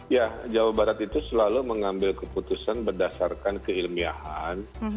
ya jawa barat itu selalu mengambil keputusan berdasarkan keilmiahan